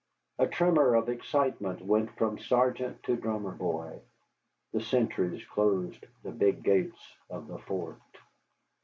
A tremor of excitement went from sergeant to drummer boy. The sentries closed the big gates of the fort.